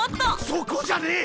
そこじゃねぇ！